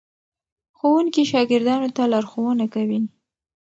ښوونکي شاګردانو ته لارښوونه کوي.